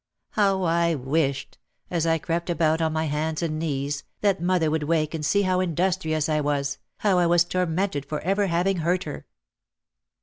How I wished, as I crept about on my hands and knees, that mother would wake and see how industrious I was, how I was tormented for ever having hurt her!